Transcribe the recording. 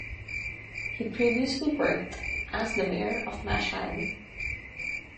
He previously worked as the mayor of Mashhad.